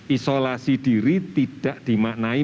isolasi diri tidak dimaknai